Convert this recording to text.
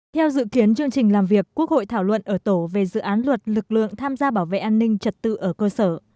theo dự kiến chương trình làm việc quốc hội thảo luận ở tổ về dự án luật lực lượng tham gia bảo vệ an ninh trật tự ở cơ sở